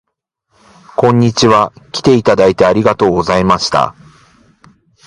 こんにちは。きていただいてありがとうございました